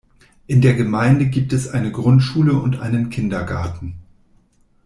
In der Gemeinde gibt es eine Grundschule und einen Kindergarten.